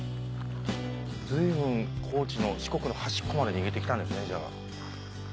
随分四国の端っこまで逃げて来たんですねじゃあ。